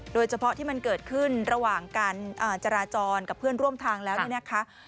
โดยเฉพาะที่มันเกิดขึ้นระหว่างการจราจรกับเพื่อนร่วมทางแล้วเนี่ยนะคะ